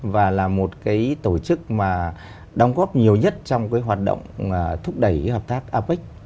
và là một cái tổ chức mà đóng góp nhiều nhất trong cái hoạt động thúc đẩy hợp tác apec